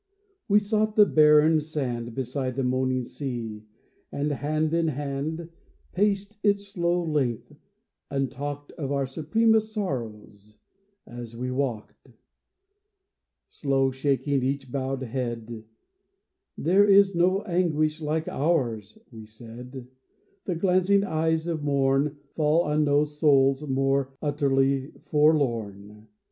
We sought the barren sand Beside the moaning sea, and, hand in hand, Paced its slow length, and talked Of our supremest sorrows as we walked. Slow shaking each bowed head, " There is no anguish like to ours," we said ;" The glancing eyes of morn Fall on no souls more utterly forlorn."